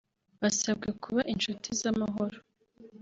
Basabwe kuba inshuti z’amahoro